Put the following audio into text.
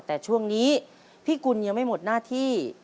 แต่ช่วงนี้พี่กุลยังไม่หมดหน้าที่